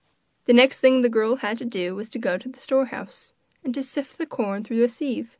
The next thing the girl had to do was to go to the storehouse, and to sift the corn through a sieve.